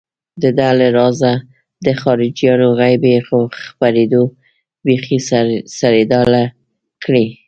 دده له رازه د خارجيانو غيبي خبرېدو بېخي سربداله کړی و.